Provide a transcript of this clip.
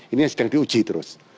ini yang sedang diuji terus